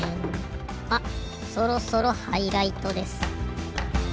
あそろそろハイライトです。